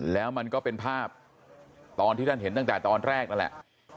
แล้วมันก็เป็นภาพตอนที่ท่านเห็นตั้งแต่ตอนแรกนั่นแหละ